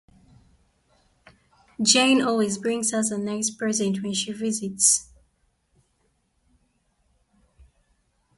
Jane always brings us a nice present when she visits.